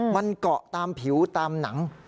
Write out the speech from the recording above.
มันเกาะตามผิวตามหนัง